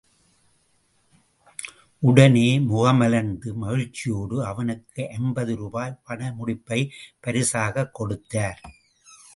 உடனே முகமலர்ந்து மகிழ்ச்சியோடு, அவனுக்கு ஐம்பது ரூபாய்ப் பணமுடிப்பைப் பரிசாகக் கொடுத்தார்.